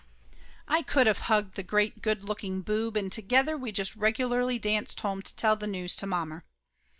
I could of hugged the great good looking boob, and together we just regularly danced home to tell the news to mommer.